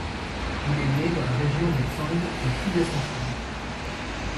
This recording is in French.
Il est né dans la région du Tsang, au Tibet central.